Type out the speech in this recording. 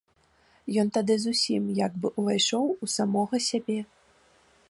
Ён тады зусім як бы ўвайшоў у самога сябе.